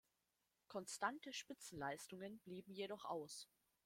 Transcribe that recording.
Konstante Spitzenleistungen blieben jedoch aus.